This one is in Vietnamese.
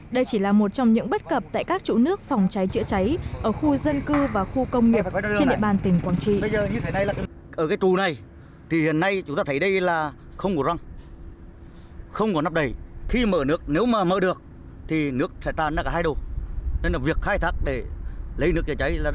đây chỉ là một trong những bất cập tại các trụ nước phòng cháy chữa cháy ở khu dân cư và khu công nghiệp trên địa bàn tỉnh quảng trị